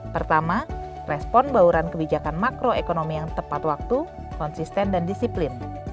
pertama respon bauran kebijakan makroekonomi yang tepat waktu konsisten dan disiplin